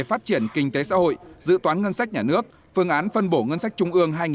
phát triển kinh tế xã hội dự toán ngân sách nhà nước phương án phân bổ ngân sách trung ương hai nghìn hai mươi tại hội trường